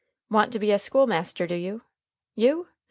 "Want to be a school master, do you? You?